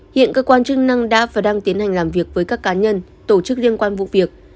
hiện cơ quan chức năng đã và đang tiến hành làm việc với các cá nhân tổ chức liên quan vụ việc